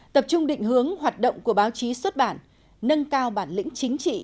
tập trung định hướng hoạt động của báo chí xuất bản nâng cao bản lĩnh chính trị